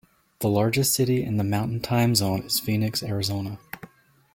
The largest city in the Mountain Time Zone is Phoenix, Arizona.